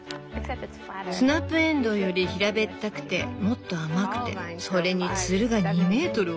スナップエンドウより平べったくてもっと甘くてそれにツルが２メートルを超えるって。